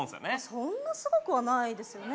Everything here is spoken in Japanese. そんなすごくはないですよね